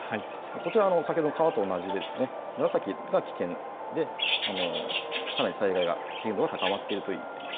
こちら先ほどの川と同じで紫が危険、かなり災害の危険度が高まっているといえます。